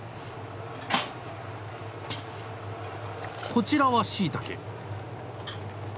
こちらはしいたけ。